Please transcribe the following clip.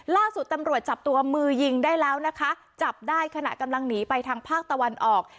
ล่าสุดตำรวจจับตัวมือยิงได้แล้วนะคะจับได้ขณะกำลังหนีไปทางภาคตะวันออก